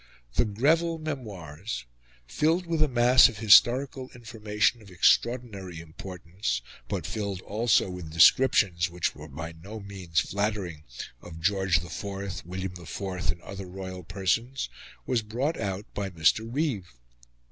"The Greville Memoirs," filled with a mass of historical information of extraordinary importance, but filled also with descriptions, which were by no means flattering, of George IV, William IV, and other royal persons, was brought out by Mr. Reeve.